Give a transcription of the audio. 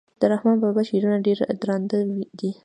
د رحمان بابا شعرونه ډير درانده دي.